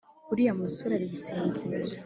uriya musore ari gusinzira